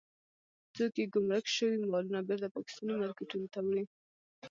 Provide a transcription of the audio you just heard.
څوک يې ګمرک شوي مالونه بېرته پاکستاني مارکېټونو ته وړي.